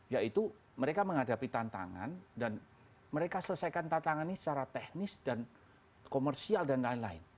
yaitu mereka menghadapi tantangan dan mereka selesaikan tantangan ini secara teknis dan komersial dan lain lain